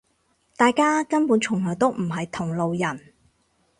大家根本從來都唔係同路人